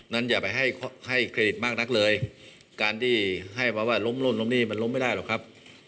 อย่าไปให้ให้เครดิตมากนักเลยการที่ให้มาว่าล้มโน่นล้มนี่มันล้มไม่ได้หรอกครับ